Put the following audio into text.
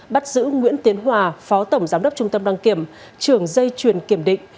bắt giữ nguyễn tiến hòa phó tổng giám đốc trung tâm đăng kiểm trưởng dây chuyền kiểm định